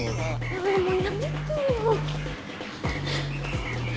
ああもうやめてよ。